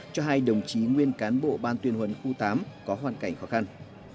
cho hai đồng chí nguyên cán bộ ban tuyên huấn khu tám có hoàn cảnh khó khăn